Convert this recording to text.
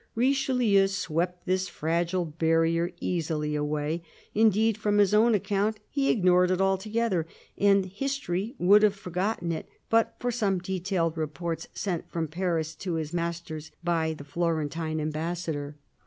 Richelieu swept this fragile barrier easily away ; indeed, from his own account, he ignored it altogether, and history would have forgotten it, but for some detailed reports sent from Paris to his masters by the Florentine ambassador.